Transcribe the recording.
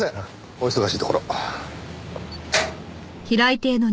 お忙しいところ。